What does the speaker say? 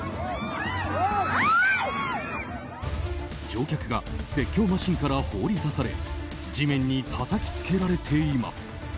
乗客が絶叫マシンから放り出され地面にたたきつけられています。